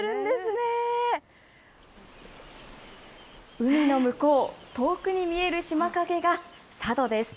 海の向こう、遠くに見える島影が、佐渡です。